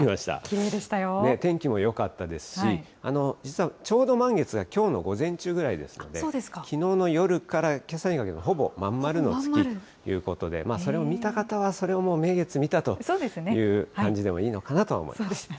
天気もよかったですし、実はちょうど満月がきょうの午前中ぐらいですので、きのうの夜からけさにかけて、ほぼ真ん丸の月ということで、それを見た方は、それをもう名月見たという感じでもいいのかなと思います。